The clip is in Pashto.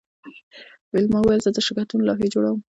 ویلما وویل زه د شرکتونو لوحې جوړوم